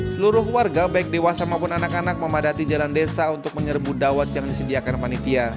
seluruh warga baik dewasa maupun anak anak memadati jalan desa untuk menyerbu dawet yang disediakan panitia